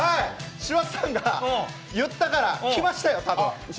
柴田さんが言ったから来ましたよ、多分。